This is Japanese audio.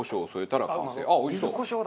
あっおいしそう。